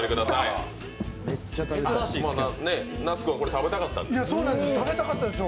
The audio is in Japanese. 那須君、これ食べたかったんでしょ？